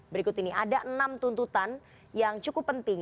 berikut ini ada enam tuntutan yang cukup penting